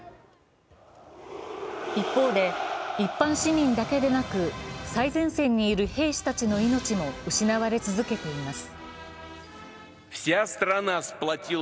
一方で、一般市民だけでなく最前線にいる兵士たちの命も失われ続けています。